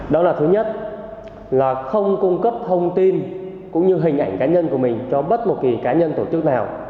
đó là thứ nhất là không cung cấp thông tin cũng như hình ảnh cá nhân của mình cho bất kỳ cá nhân tổ chức nào